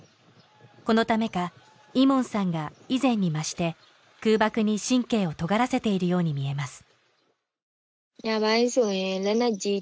このためかイモンさんが以前に増して空爆に神経をとがらせているように見えます